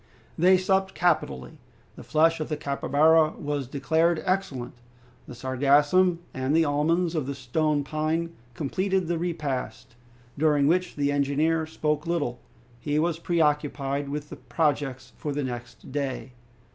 They supped capitally. The flesh of the capybara was declared excellent. The sargassum and the almonds of the stone pine completed the repast, during which the engineer spoke little. He was preoccupied with projects for the next day.